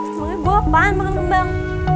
sebenernya gue apaan makan kembang